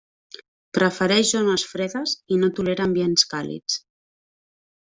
Prefereix zones fredes i no tolera ambients càlids.